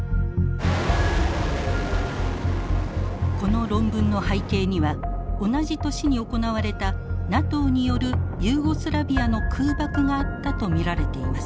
この論文の背景には同じ年に行われたＮＡＴＯによるユーゴスラビアの空爆があったと見られています。